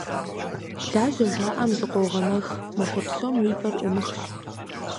«Лажьэ» жаӀэм зыкъогъэмэх, махуэ псом уи пӀэр Ӏумыхщ.